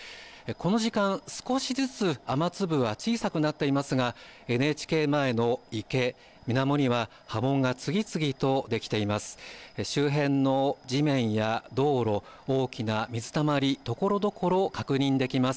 この時間、少しずつ雨粒は小さくなっていますがＮＨＫ前の池水面には波紋が次々と出きています。